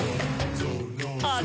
「あれ？